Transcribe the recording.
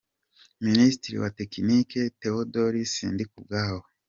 – Ministri wa tekiniki: Tewodori Sindikubwabo,